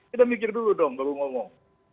kita mikir dulu dong baru ngomong